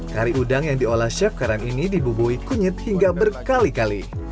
kari udang yang diolah chef karan ini dibubui kunyit hingga berkali kali